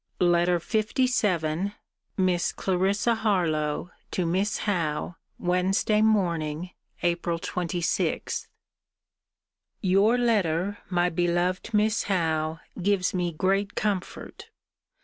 LETTER LVII MISS CLARISSA HARLOWE, TO MISS HOWE WEDNESDAY MORNING, APRIL 26. Your letter, my beloved Miss Howe, gives me great comfort.